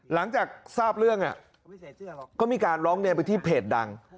หลังจากทราบเรื่องก็มีการร้องเรียนไปที่เพจดัง